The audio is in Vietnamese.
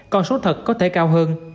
con số thật có thể cao hơn